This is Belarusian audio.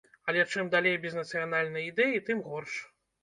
Але чым далей без нацыянальнай ідэі, тым горш.